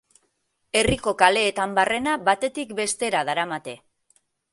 Herriko kaleetan barrena batetik bestera daramate.